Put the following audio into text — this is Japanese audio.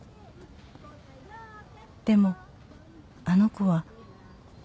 「でもあの子は」